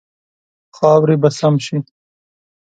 خاورې به سم شي.